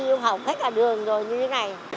không học hết cả đường rồi như thế này